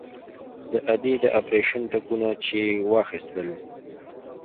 د ادې د اپرېشن ټکونه چې يې واخيستل.